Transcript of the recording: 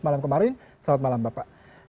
malam kemarin selamat malam bapak